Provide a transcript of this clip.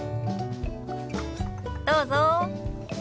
どうぞ。